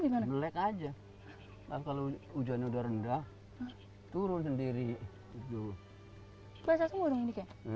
gimana aja kalau hujannya udah rendah turun sendiri jauh basah semua ini basah semua ini